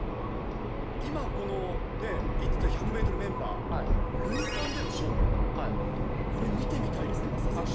今このね、言ってた１００メートルメンバー、塁間での勝負、これ見てみたいですね、増田選手。